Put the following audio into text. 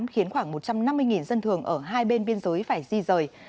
khiến khoảng một trăm năm mươi dân thường ở hai bên biên giới phải di rời